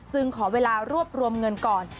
ขอเวลารวบรวมเงินก่อน